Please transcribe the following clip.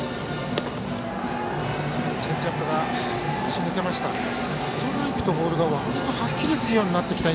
チェンジアップが少し抜けました。